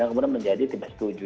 dan kemudian menjadi tidak setuju